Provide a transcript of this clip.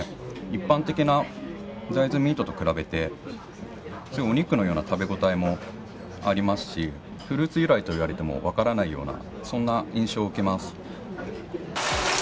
一般的な大豆ミートと比べてお肉のような食べごたえもありますしフルーツ由来と言われても分からないような印象を受けます。